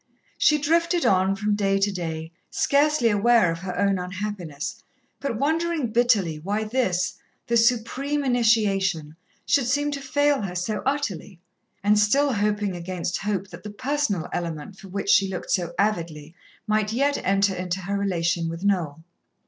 She drifted on from day to day, scarcely aware of her own unhappiness, but wondering bitterly why this, the supreme initiation, should seem to fail her so utterly, and still hoping against hope that the personal element for which she looked so avidly, might yet enter into her relation with Noel.